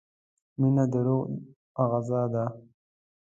مینه د روح غذا ده.